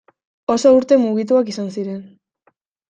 Oso urte mugituak izan ziren.